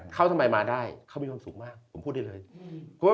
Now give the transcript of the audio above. เขาทำไมมาได้เขามีความสุขมากผมพูดได้เลย